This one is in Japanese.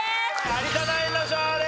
有田ナインの勝利！